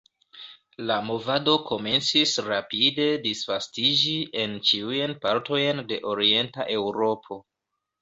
La movado komencis rapide disvastiĝi en ĉiujn partojn de orienta Eŭropo.